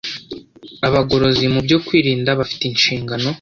Abagorozi mu byo kwirinda bafite inshingano